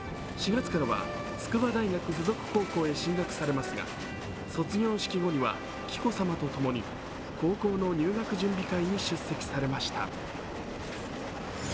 ４月からは筑波大学附属高校へ進学されますが卒業式後には紀子さまとともに、高校の入学準備会に出席されました。